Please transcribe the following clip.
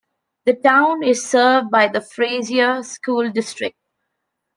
The town is served by the Frazier School District.